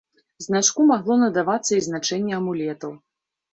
Значку магло надавацца і значэнне амулетаў.